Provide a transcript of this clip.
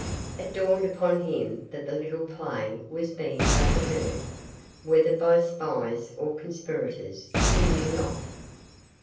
It dawned upon him that the little play was being overheard, whether by spies or conspirators he knew not.